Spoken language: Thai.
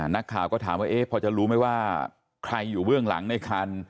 นักข่าวก็ถามว่าพอจะรู้ไหมว่าใครอยู่เบื้องหลังในคัน